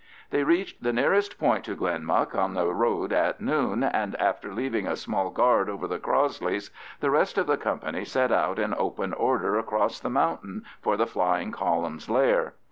They reached the nearest point to Glenmuck on the road at noon, and after leaving a small guard over the Crossleys, the rest of the company set out in open order across the mountain for the flying column's lair.